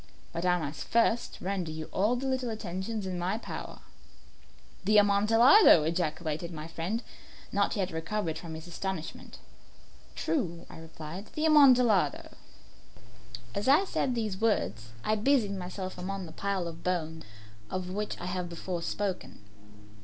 But I must first render you all the little attentions in my power." "The Amontillado!" ejaculated my friend, not yet recovered from his astonishment. "True," I replied; "the Amontillado." As I said these words I busied myself among the pile of bones of which I have before spoken.